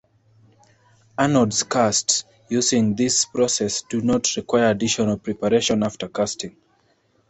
Anodes cast using this process do not require additional preparation after casting.